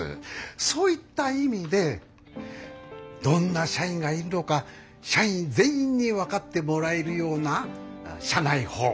そういった意味でどんな社員がいるのか社員全員に分かってもらえるような社内報。